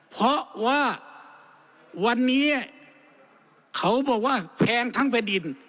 เพราะว่าวันนี้เขาบอกว่าแพงทั้งแผ่นดิน